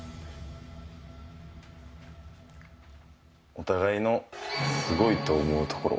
お互いのすごいと思うところ。